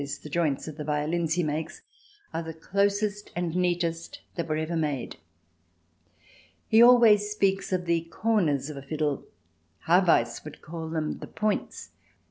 the joints of the violins he makes] are the closest and neatest that were ever made." "He always speaks of the corners of a fiddle; Haweis would call them the points.